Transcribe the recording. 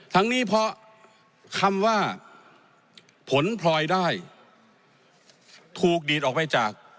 ทั้งนี้เพราะคำว่าผลพลอยได้ถูกดีดออกไปจาก